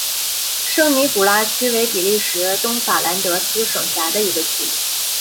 圣尼古拉区为比利时东法兰德斯省辖下的一个区。